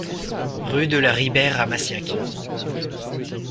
Rue de la Ribeyre à Massiac